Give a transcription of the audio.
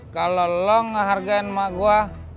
kalau lo ngehargain emak gua